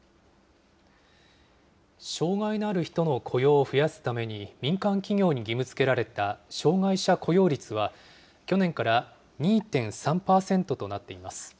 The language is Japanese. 障害のある人の雇用を増やすために民間企業に義務づけられた、障害者雇用率は、去年から２．３％となっています。